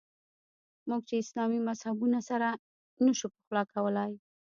موږ چې اسلامي مذهبونه سره نه شو پخلا کولای.